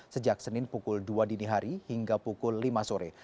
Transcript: sejak senin pukul dua dini hari hingga pukul lima sore